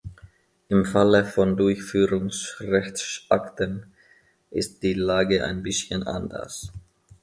Im Falle von Durchführungsrechtsakten ist die Lage ein bisschen anders.